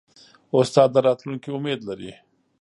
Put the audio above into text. استاد د راتلونکي امید لري.